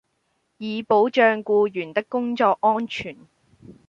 以保障僱員的工作安全